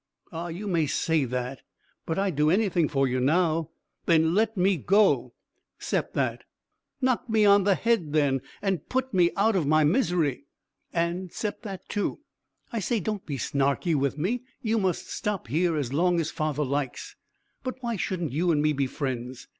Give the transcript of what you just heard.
"Ah, you may say that, but I'd do anything for you now." "Then let me go." "'Cept that." "Knock me on the head, then, and put me out of my misery." "And 'cept that too. I say, don't be snarky with me. You must stop here as long as father likes, but why shouldn't you and me be friends?